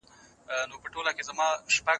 زه د اور په لمبه پایم ماته ما وایه چي سوځې